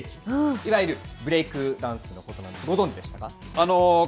いわゆるブレイクダンスのことなんですが、ご存じでしたか？